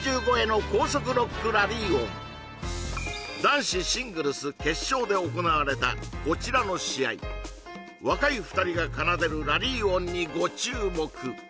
男子シングルス決勝で行われたこちらの試合若い２人が奏でるラリー音にご注目